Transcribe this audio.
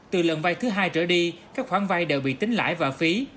từ lần vai thứ hai trở đi các khoản vai đều bị tính lãi và phí